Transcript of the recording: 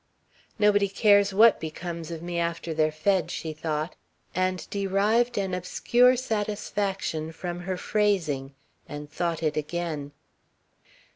"Nobody cares what becomes of me after they're fed," she thought, and derived an obscure satisfaction from her phrasing, and thought it again.